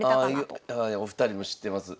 お二人も知ってます。